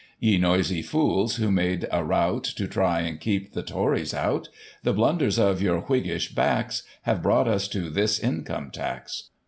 Ye noisy fools, who made a rout To try and keep the Tories out, The blunders of your Whiggish hacks Have brought us to this Income Tax.